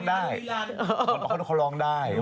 เขาบอกว่าเขาร้องได้